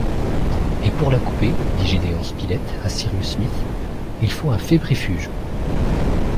Et pour la couper, dit Gédéon Spilett à Cyrus Smith, il faut un fébrifuge